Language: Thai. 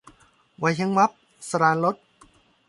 วัยเช้งวับ - สราญรส